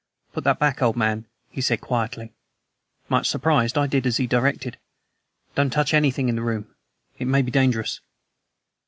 "Put that back, old man," he said quietly. Much surprised, I did as he directed. "Don't touch anything in the room. It may be dangerous."